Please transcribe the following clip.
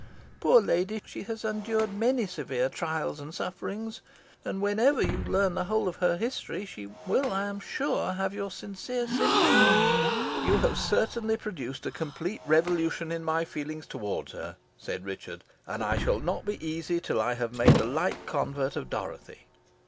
Poor lady! she has endured many severe trials and sufferings, and whenever you learn the whole of her history, she will, I am sure, have your sincere sympathy." "You have certainly produced a complete revolution in my feelings towards her," said Richard, "and I shall not be easy till I have made a like convert of Dorothy."